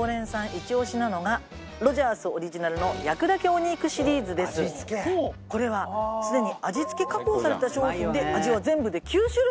イチ押しなのがロヂャースオリジナルのこれはすでに味付け加工された商品で味は全部で９種類。